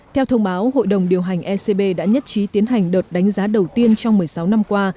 theo thông báo hội đồng điều hành ecb đã nhất trí tiến hành đợt đánh giá đầu tiên trong một mươi sáu năm qua